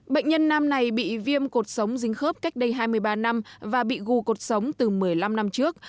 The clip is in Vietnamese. bệnh nhân nam này bị viêm cột sống dính khớp cách đây hai mươi ba năm và bị gù cột sống từ một mươi năm năm trước